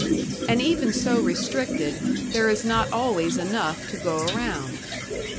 And even so restricted, there is not always enough to go around.